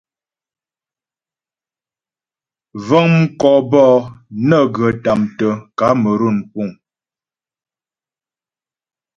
Vəŋ mkɔ bɔ'ɔ nə́ghə tâmtə Kamerun puŋ.